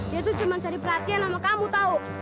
dia tuh cuma cari perhatian sama kamu tau